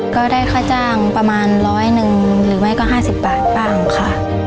ก็ได้ค่าจ้างประมาณร้อยหนึ่งหรือไม่ก็๕๐บาทบ้างค่ะ